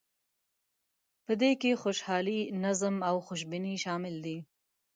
په دې کې خوشحالي، نظم او خوشبیني شامل دي.